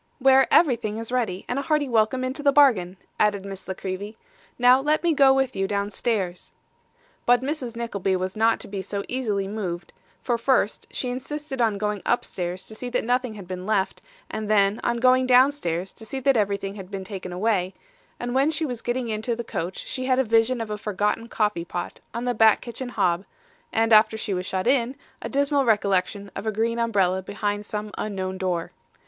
' Where everything is ready, and a hearty welcome into the bargain,' added Miss La Creevy. 'Now, let me go with you downstairs.' But Mrs. Nickleby was not to be so easily moved, for first she insisted on going upstairs to see that nothing had been left, and then on going downstairs to see that everything had been taken away; and when she was getting into the coach she had a vision of a forgotten coffee pot on the back kitchen hob, and after she was shut in, a dismal recollection of a green umbrella behind some unknown door.